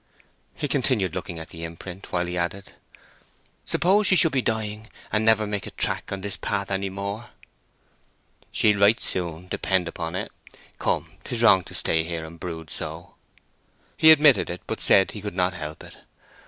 He continued looking at the imprint, while he added, "Suppose she should be dying, and never make a track on this path any more?" "She'll write soon, depend upon't. Come, 'tis wrong to stay here and brood so." He admitted it, but said he could not help it.